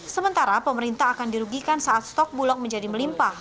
sementara pemerintah akan dirugikan saat stok bulog menjadi melimpah